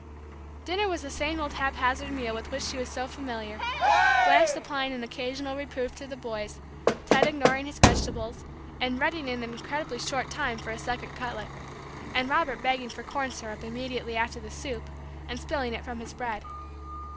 Dinner was the same old haphazard meal with which she was so familiar; Blanche supplying an occasional reproof to the boys, Ted ignoring his vegetables, and ready in an incredibly short time for a second cutlet, and Robert begging for corn syrup, immediately after the soup, and spilling it from his bread.